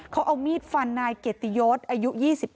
เขาเอามีดฟันนายเกียรติยศอายุ๒๙